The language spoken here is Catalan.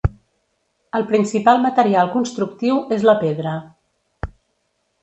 El principal material constructiu és la pedra.